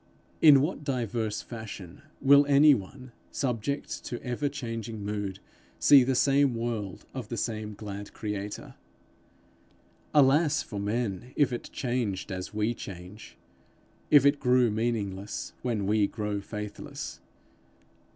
In what diverse fashion will any one subject to ever changing mood see the same world of the same glad creator! Alas for men, if it changed as we change, if it grew meaningless when we grow faithless!